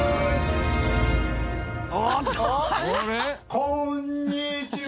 こんにちは！！